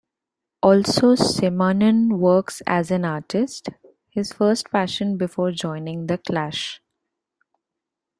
Also, Simonon works as an artist - his first passion before joining the Clash.